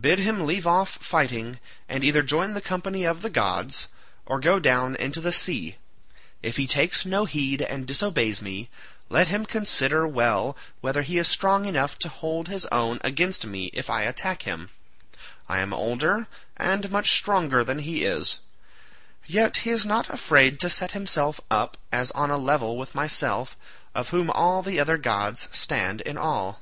Bid him leave off fighting, and either join the company of the gods, or go down into the sea. If he takes no heed and disobeys me, let him consider well whether he is strong enough to hold his own against me if I attack him. I am older and much stronger than he is; yet he is not afraid to set himself up as on a level with myself, of whom all the other gods stand in awe."